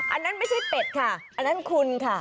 อันนั้นไม่ใช่เป็ดค่ะอันนั้นคุณค่ะ